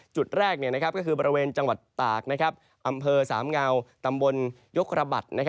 จุดแรกก็คือบริเวณจังหวัดตากอำเภอสามเงาตำบลยกระบัด